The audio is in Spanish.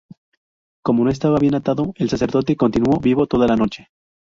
Como no estaba bien atado, el sacerdote continuó vivo toda la noche.